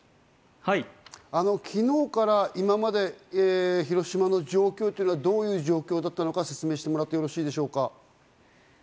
昨日から今まで広島の状況というのはどういう状況だったのか説明してもらってよろしいでしょうか？